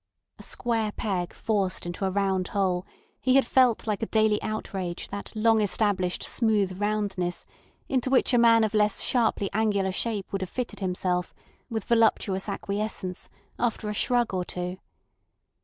A square peg forced into a round hole, he had felt like a daily outrage that long established smooth roundness into which a man of less sharply angular shape would have fitted himself, with voluptuous acquiescence, after a shrug or two.